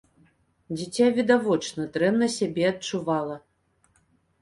Дзіця відавочна дрэнна сябе адчувала.